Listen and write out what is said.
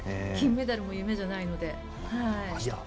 金メダルも夢じゃないので。